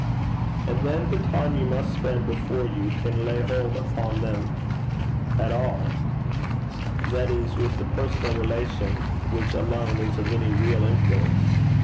'And then the time you must spend before you can lay hold upon them at all, that is with the personal relation which alone is of any real influence!